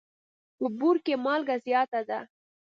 په بوړ کي مالګه زیاته ده.